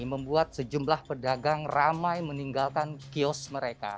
membuat sejumlah pedagang ramai meninggalkan kios mereka